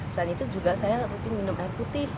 selain itu juga saya rutin minum air putih